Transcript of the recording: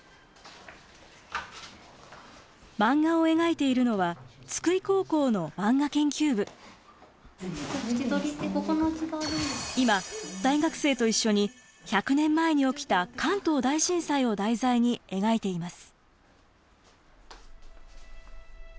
マンガを描いているのは今大学生と一緒に１００年前に起きた関東大震災を題材に描いています。